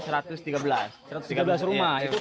satu ratus tiga belas rumah itu terdampak